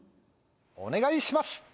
お願いします！